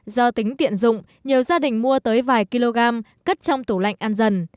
do tính tiện dụng nhiều gia đình mua tới vài kg cất trong tủ lạnh ăn dần